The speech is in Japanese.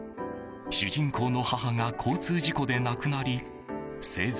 主人公の母が交通事故で亡くなり生前